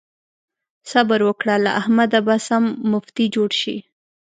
صبر وکړه؛ له احمده به سم مفتي جوړ شي.